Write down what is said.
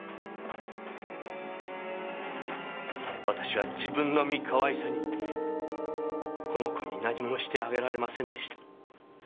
私は自分の身かわいさにこの子に何もしてあげられませんでした。